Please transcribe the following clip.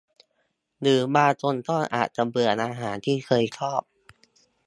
หรือบางคนก็อาจจะเบื่ออาหารที่เคยชอบ